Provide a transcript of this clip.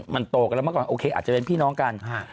มันโตกันแล้วเมื่อก่อนโอเคอาจจะเป็นพี่น้องกัน